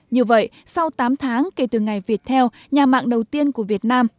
như vậy sau tám tháng kể từ ngày việt theo nhà mạng đầu tiên của việt nam